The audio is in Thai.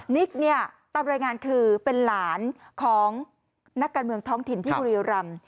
นิกเนี่ยตามรายงานคือเป็นหลานของนักการเมืองท้องถิ่นที่บุรีรำ